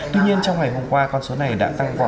tuy nhiên trong ngày hôm qua con số này đã tăng qua